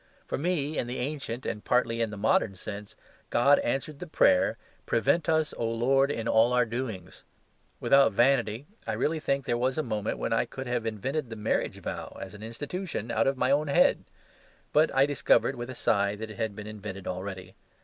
For me, in the ancient and partly in the modern sense, God answered the prayer, "Prevent us, O Lord, in all our doings." Without vanity, I really think there was a moment when I could have invented the marriage vow (as an institution) out of my own head; but I discovered, with a sigh, that it had been invented already.